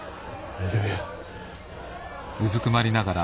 大丈夫や。